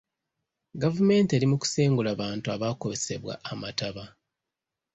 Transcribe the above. Gavumenti eri mu kusengula bantu abaakosebwa amataba.